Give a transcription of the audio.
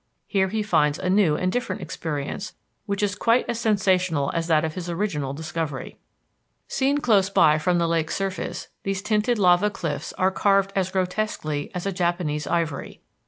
Here he finds a new and different experience which is quite as sensational as that of his original discovery. Seen close by from the lake's surface these tinted lava cliffs are carved as grotesquely as a Japanese ivory.